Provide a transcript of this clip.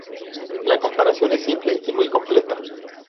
La comparación es simple y muy completa.